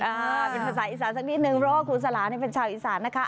อ่าเป็นภาษาอีสานสักนิดหนึ่งโลกครูสลาคุณเป็นชาวอีสานนะคะ